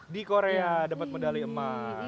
di korea dapat medali emas